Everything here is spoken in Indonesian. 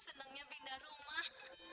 senangnya pindah rumah